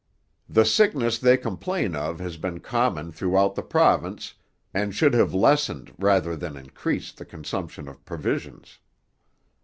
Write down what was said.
'The sickness they complain of has been common throughout the province, and should have lessened rather than increased the consumption of provisions.'